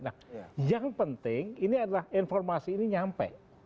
nah yang penting ini adalah informasi ini nyampe